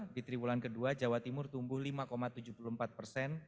di tribulan kedua jawa timur tumbuh lima tujuh puluh empat persen